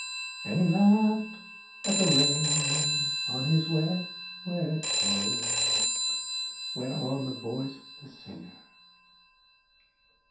"And he laughed at the rain on his wet, wet cloak," went on the voice of the singer.